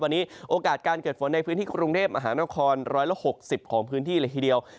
วันนี้โอกาสการเกิดฝนในพื้นที่กรุงเทพมหานคร๑๖๐ของพื้นที่เลยทีเดียว